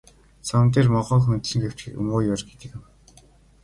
Зам дээр могой хөндлөн хэвтэхийг муу ёр гэдэг юм.